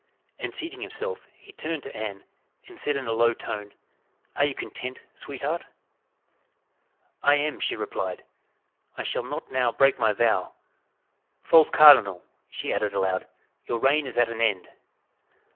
And, seating himself, he turned to Anne, and said, in a low tone, "Are you content, sweetheart?" "I am," she replied. "I shall not now break my vow. False cardinal," she added aloud, "your reign is at an end."